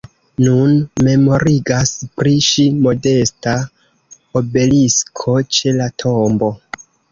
Nun memorigas pri ŝi modesta obelisko ĉe la tombo.